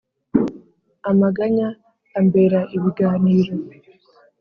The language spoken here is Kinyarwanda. amaganya ambera ibiganiro,